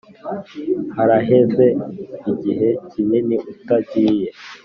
haraheze igihe kinini utagiye